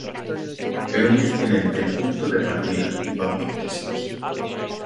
É un excelente punto de partida, di Pablo Iglesias.